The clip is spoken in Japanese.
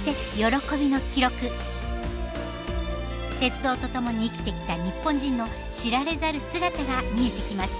鉄道とともに生きてきた日本人の知られざる姿が見えてきます。